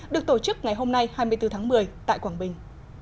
được tổ chức ngày hôm nay hai mươi bốn tháng một mươi tại quảng bình